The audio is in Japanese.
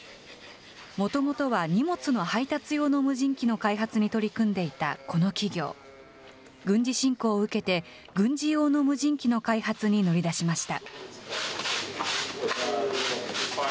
もともとは荷物の配達用の無人機の開発に取り組んでいたこの企業、軍事侵攻を受けて、軍事用の無人機の開発に乗り出しました。